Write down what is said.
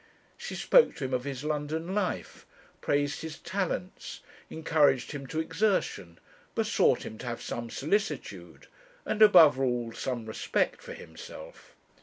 She spoke to him of his London life, praised his talents, encouraged him to exertion, besought him to have some solicitude, and, above all, some respect for himself.